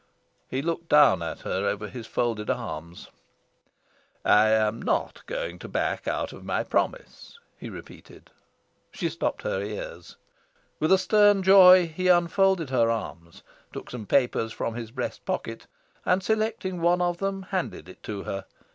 He looked down at her over his folded arms, "I am not going to back out of my promise," he repeated. She stopped her ears. With a stern joy he unfolded his arms, took some papers from his breast pocket, and, selecting one of them, handed it to her.